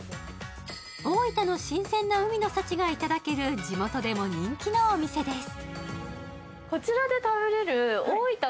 大分の新鮮な海の幸がいただける地元でも人気のお店です。